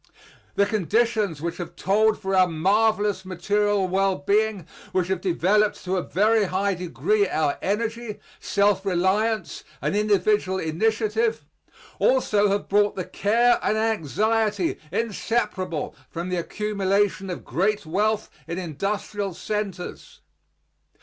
The conditions which have told for our marvelous material well being, which have developed to a very high degree our energy, self reliance, and individual initiative, also have brought the care and anxiety inseparable from the accumulation of great wealth in industrial centers.